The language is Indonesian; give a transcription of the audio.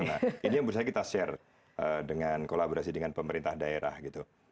nah ini yang bisa kita share dengan kolaborasi dengan pemerintah daerah gitu